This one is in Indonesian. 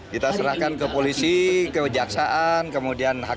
kita serahkan ke polisi ke ujaksaan kemudian